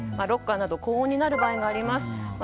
ロッカーなど高温になる場合があります。